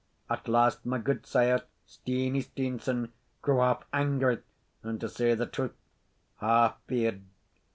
At last my gudesire, Steenie Steenson, grew half angry, and, to say the truth, half feard.